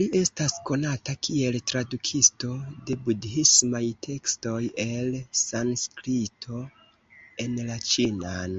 Li estas konata kiel tradukisto de budhismaj tekstoj el Sanskrito en la ĉinan.